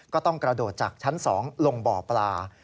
ก็ต้องกระโดดจากชั้น๒ลงบ่อปลา